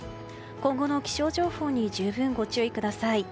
今後の気象情報に十分ご注意ください。